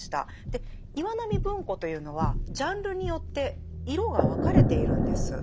で岩波文庫というのはジャンルによって色が分かれているんです。